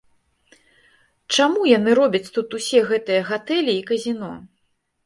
Чаму яны робяць тут усе гэтыя гатэлі і казіно?